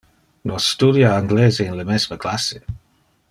Nos studia anglese in le mesme classe.